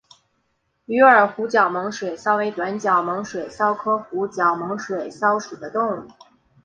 鱼饵湖角猛水蚤为短角猛水蚤科湖角猛水蚤属的动物。